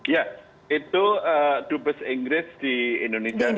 ya itu dubes inggris di indonesia